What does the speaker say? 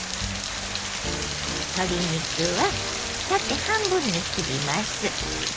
鶏肉は縦半分に切ります。